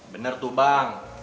bener tuh bang